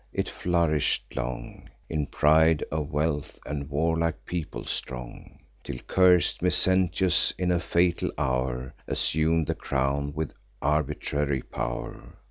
It flourish'd long, In pride of wealth and warlike people strong, Till curs'd Mezentius, in a fatal hour, Assum'd the crown, with arbitrary pow'r.